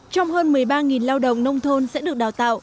trong hơn một mươi ba lao động nông thôn sẽ được đào tạo